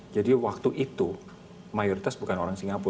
jadi waktu itu mayoritas bukan orang singapura